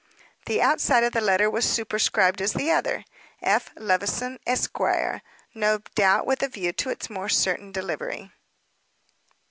The outside of the letter was superscribed as the other, "F. Levison, Esquire," no doubt with a view to its more certain delivery.